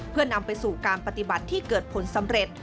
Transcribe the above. เพื่อนำไปสู่การปฏิบัติที่เกิดผลสำเร็จ